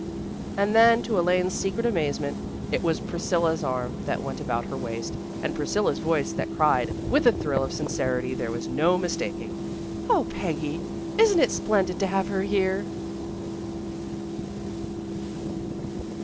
And then, to Elaine's secret amazement, it was Priscilla's arm that went about her waist, and Priscilla's voice that cried, with a thrill of sincerity there was no mistaking: "Oh, Peggy, isn't it splendid to have her here?"